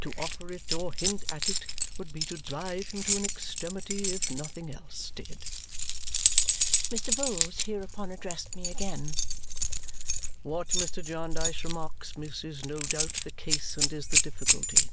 To offer it or hint at it would be to drive him to an extremity, if nothing else did." Mr. Vholes hereupon addressed me again. "What Mr. Jarndyce remarks, miss, is no doubt the case, and is the difficulty.